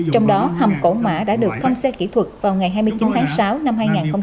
trong đó hầm cổ mã đã được thăm xe kỹ thuật vào ngày hai mươi chín tháng sáu năm hai nghìn một mươi năm